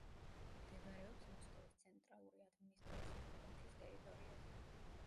მდებარეობს მოსკოვის ცენტრალური ადმინისტრაციული ოლქის ტერიტორიაზე.